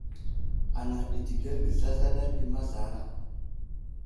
Anaŋ ɗi təgerge zlazla ɗi mazlara.